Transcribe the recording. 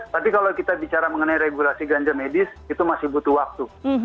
tapi kalau kita bicara mengenai regulasi ganja medis itu masih butuh waktu